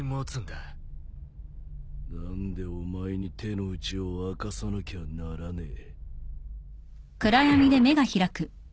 何でお前に手の内を明かさなきゃならねえ。